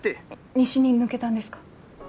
西に抜けたんですか？